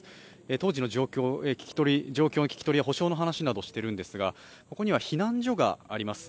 当時の状況の聞き取りや補償の話もしてるんですがここには避難所があります。